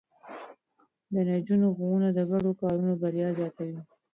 د نجونو ښوونه د ګډو کارونو بريا زياتوي.